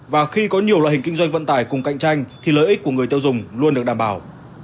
và khi có nhiều loại hình kinh doanh vận tải cùng cạnh tranh thì lợi ích của người tiêu dùng luôn được đảm bảo